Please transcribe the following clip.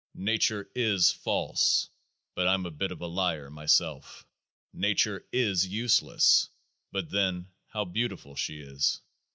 Nature is false ; but I'm a bit of a liar myself. Nature is useless ; but then how beautiful she is